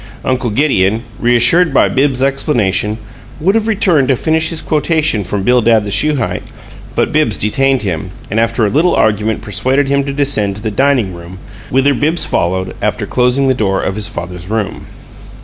Uncle Gideon, reassured by Bibbs's explanation, would have returned to finish his quotation from Bildad the Shuhite, but Bibbs detained him, and after a little argument persuaded him to descend to the dining room whither Bibbs followed, after closing the door of his father's room.